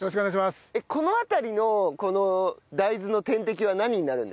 この辺りのこの大豆の天敵は何になるんですか？